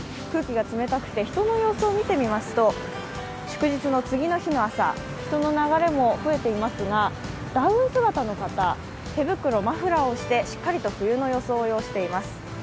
空気が冷たくて人の様子を見てみますと、祝日の次の日の朝、人の流れも増えていますが、ダウン姿の方、手袋、マフラーをしてしっかり冬の装いをしています。